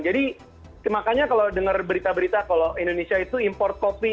makanya kalau dengar berita berita kalau indonesia itu import kopi